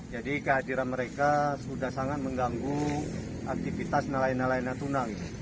jadi kehadiran mereka sudah sangat mengganggu aktivitas nelayan nelayan natuna